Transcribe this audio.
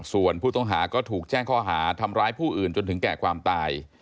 ส่วนผู้ต้องหาก็ถูกแจ้งข้อหาทำร้ายผู้อื่นจนถึงแก่ความตาย